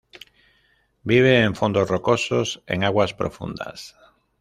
Vive en fondos rocosos, en aguas profundas.